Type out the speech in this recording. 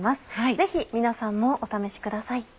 ぜひ皆さんもお試しください。